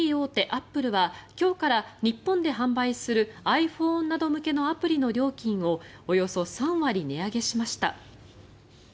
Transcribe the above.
アップルは今日から日本で販売するｉＰｈｏｎｅなど向けのアプリの料金をおよそ３割値上げしました。